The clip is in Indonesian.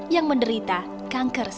yang menderita kanker cervix